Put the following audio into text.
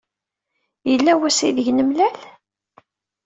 Yella wass aydeg nemlal?